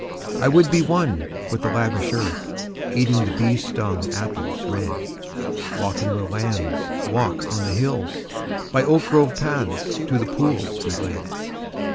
I would be one with the lavish earth, Eating the bee stung apples red: Walking where lambs walk on the hills; By oak grove paths to the pools be led.